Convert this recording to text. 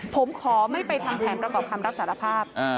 ผมขอไม่ไปทำแผนประกอบคำรับสารภาพ